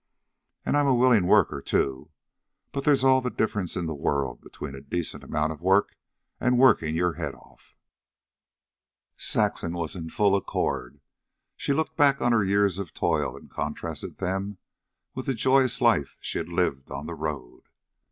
An' I 'm a willin' worker, too. But they's all the difference in the world between a decent amount of work an' workin' your head off." Saxon was in full accord. She looked back on her years of toil and contrasted them with the joyous life she had lived on the road.